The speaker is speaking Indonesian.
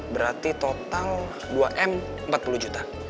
berarti total dua m empat puluh juta